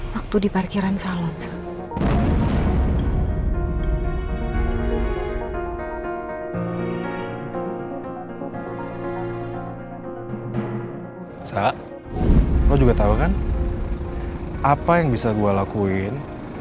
mungkin saya harus membicarakan masalah ini sama masalah